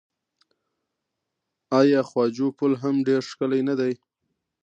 آیا خواجو پل هم ډیر ښکلی نه دی؟